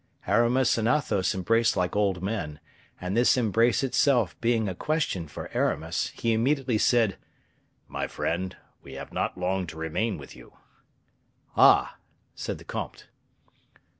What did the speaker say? Aramis and Athos embraced like old men; and this embrace itself being a question for Aramis, he immediately said, "My friend, we have not long to remain with you." "Ah!" said the comte.